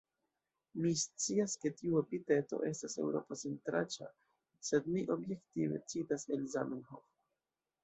Mi scias, ke tiu epiteto estas eŭropo-centraĉa, sed mi objektive citas el Zamenhof.